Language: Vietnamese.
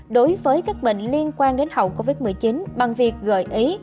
đối với các bệnh liên quan đến hậu covid một mươi chín bằng việc gợi ý